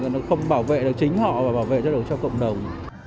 nó không bảo vệ được chính họ và bảo vệ cho được cho cộng đồng